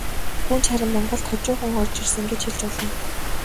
Гүнж харин монголд хожуухан орж ирсэн гэж хэлж болно.